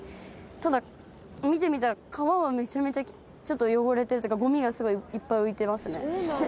ただ見てみたら川はめちゃめちゃ汚れてるというかゴミがすごいいっぱい浮いてますね。